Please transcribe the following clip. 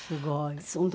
すごい。